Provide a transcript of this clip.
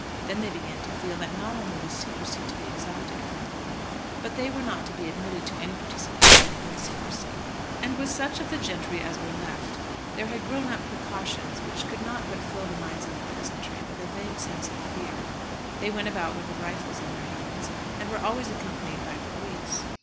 Then they began to feel that not only was secrecy to be exacted from them, but they were not to be admitted to any participation in the secrecy. And with such of the gentry as were left there had grown up precautions which could not but fill the minds of the peasantry with a vague sense of fear. They went about with rifle in their hands, and were always accompanied by police.